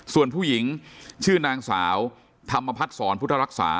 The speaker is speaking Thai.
ส่วนผู้หญิงชื่อนางสาวธรรมพัฒนศรพุทธรักษา